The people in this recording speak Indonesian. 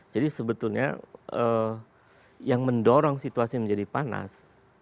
jadi sebetulnya yang mendorong situasi menjadi panas